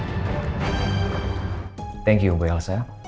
terima kasih ibu elsa